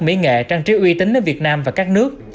mỹ nghệ trang trí uy tín đến việt nam và các nước